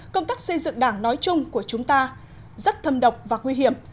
công tác xây dựng đảng nói chung của chúng ta rất thâm độc và nguy hiểm